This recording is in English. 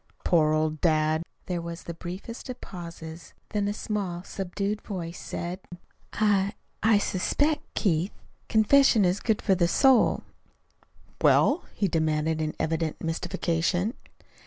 Poor old dad!" There was the briefest of pauses, then a small, subdued voice said: "I I suspect, Keith, confession is good for the soul." "Well?" he demanded in evident mystification.